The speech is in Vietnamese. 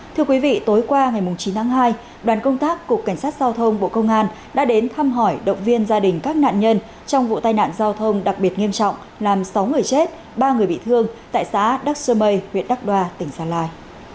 thưa quý vị tối qua ngày chín tháng hai đoàn công tác cục cảnh sát giao thông bộ công an đã đến thăm hỏi động viên gia đình các nạn nhân trong vụ tai nạn giao thông đặc biệt nghiêm trọng làm sáu người chết ba người bị thương tại xã đắc sơ mây huyện đắc đoa tỉnh gia lai